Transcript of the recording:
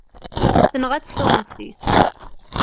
Tenɣa-tt tuɣmest-is.